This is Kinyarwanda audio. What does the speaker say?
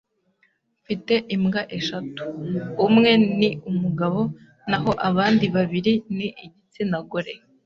Mfite imbwa eshatu. Umwe ni umugabo naho abandi babiri ni igitsina gore.